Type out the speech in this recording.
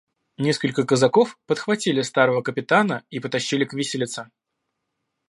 Несколько казаков подхватили старого капитана и потащили к виселице.